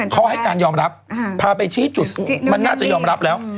เขาให้การยอมรับพาไปชี้จุดมันน่าจะยอมรับแล้ว